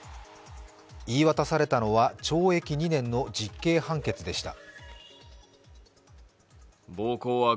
言い渡されたのは懲役２年の実刑判決でした。